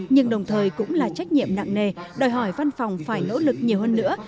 nhưng đồng thời cũng là trách nhiệm nặng nề đòi hỏi văn phòng phải nỗ lực nhiều hơn nữa